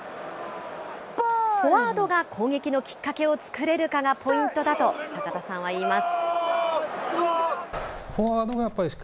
フォワードが攻撃のきっかけを作れるかがポイントだと、坂田さんは言います。